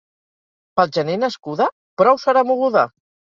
Pel gener nascuda? Prou serà moguda!